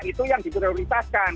itu yang diprioritaskan